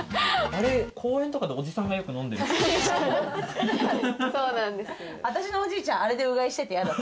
あれ公園とかでおじさんがよく飲んでるやつ。